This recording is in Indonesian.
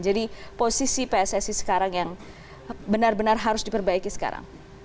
jadi posisi pssi sekarang yang benar benar harus diperbaiki sekarang